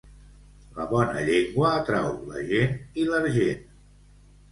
La bona llengua atrau la gent i l'argent.